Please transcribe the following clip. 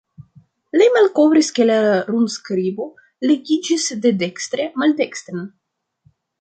Li malkovris ke la runskribo legiĝis de dekstre maldekstren.